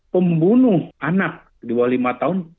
pembunuh anak di bawah lima tahun